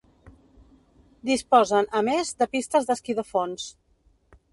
Disposen, a més, de pistes d'esquí de fons.